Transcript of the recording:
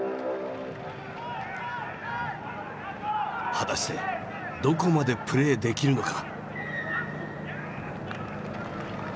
果たしてどこまでプレーできるのか？